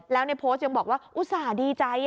แล้วในโพสต์ยังบอกว่าอุตส่าห์ดีใจ